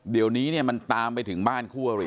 เดี๋ยวนี้มันตามไปถึงบ้านคู่อลี